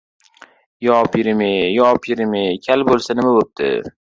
Yo, pirim-yey, yo pirim-yey! Kal bo‘lsa nima bo‘pti?